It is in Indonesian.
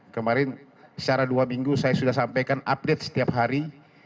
kemarin secara dua minggu saya sudah sampaikan update setiap hari